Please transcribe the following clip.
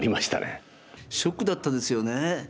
ショックだったですよね。